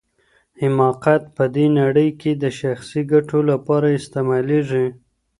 حماقت په دې نړۍ کي د شخصي ګټو لپاره استعمالیږي.